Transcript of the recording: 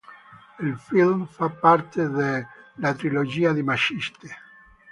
Il film fa parte de "La trilogia di Maciste".